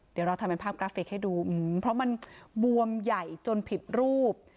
เดี๋ยวเราทำเป็นภาพกราฟิกให้ดูเพราะมันบวมใหญ่จนผิดรูป